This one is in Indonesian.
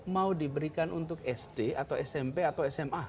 mau diberikan untuk sd atau smp atau sma